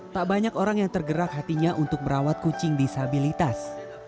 tak banyak orang yang tergerak hatinya untuk merawat kucing disabilitas